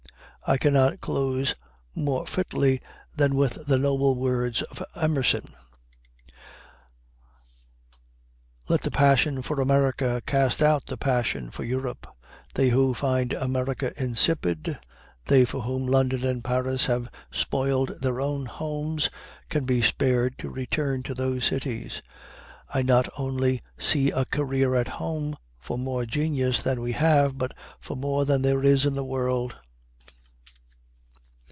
I cannot close more fitly than with the noble words of Emerson: "Let the passion for America cast out the passion for Europe. They who find America insipid, they for whom London and Paris have spoiled their own homes, can be spared to return to those cities. I not only see a career at home for more genius than we have, but for more than there is in the world."